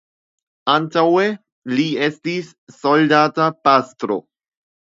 Antaŭe li estis soldata pastro.